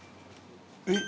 えっ。